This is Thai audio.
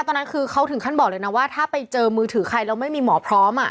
ตอนนั้นคือเขาถึงขั้นบอกเลยนะว่าถ้าไปเจอมือถือใครแล้วไม่มีหมอพร้อม